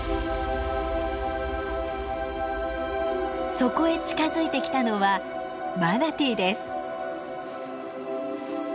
そこへ近づいてきたのはマナティーです。